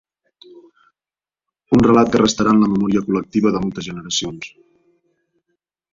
Un relat que restarà en la memòria col·lectiva de moltes generacions.